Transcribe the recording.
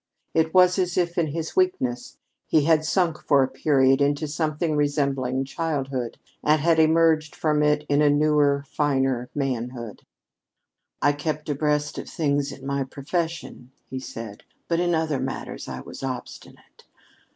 It was as if, in his weakness, he had sunk for a period into something resembling childhood and had emerged from it into a newer, finer manhood. "I kept abreast of things in my profession," he said, "but in other matters I was obstinate.